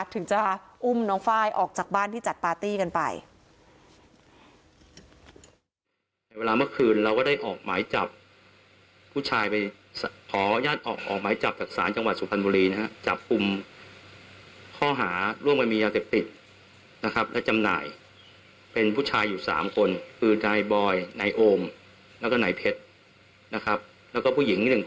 ถึงจะอุ้มน้องไฟล์ออกจากบ้านที่จัดปาร์ตี้กันไป